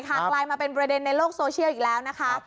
กลายมาเป็นประเด็นในโลกโซเชียลอีกแล้วนะคะ